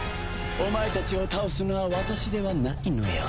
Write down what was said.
お前たちを倒すのは私ではないのよ。